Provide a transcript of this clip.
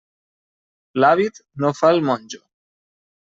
L'hàbit no fa el monjo.